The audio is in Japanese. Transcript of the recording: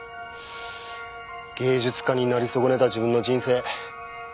芸術家になり損ねた自分の人生全部。